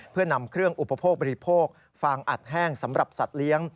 เพื่อนำเครื่องอุปโภคบริโภคฟางอัดแห้งสำหรับสัตว์เลี้ยง